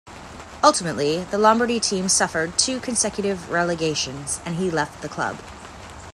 Ultimately, the Lombardy team suffered two consecutive relegations, and he left the club.